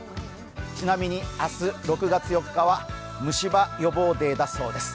ちなみに、明日６月４日は虫歯予防デーだそうです。